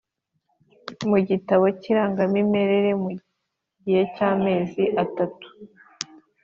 Mu gitabo cy Irangamimerere mu gihe cy amezi atatu